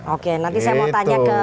oke nanti saya mau tanya ke